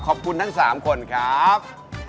ขอบคุณทั้ง๓คนครับ